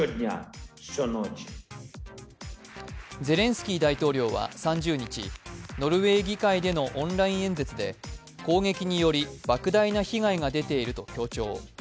ゼレンスキー大統領は３０日、ノルウェー議会でのオンライン演説で攻撃によりばく大な被害が出ていると強調。